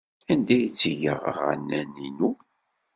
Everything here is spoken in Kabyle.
Anda ay ttgeɣ aɣanen-inu?